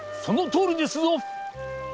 そのとおりですぞ！